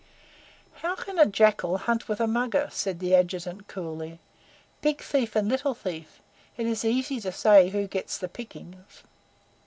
"How can a jackal hunt with a Mugger?" said the Adjutant coolly. "Big thief and little thief; it is easy to say who gets the pickings."